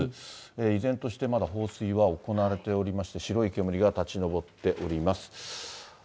依然としてまだ放水は行われておりまして、白い煙が立ち上っております。